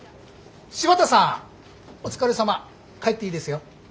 柴田さんお疲れさま帰っていいですよ。